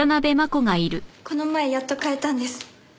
この前やっと買えたんです。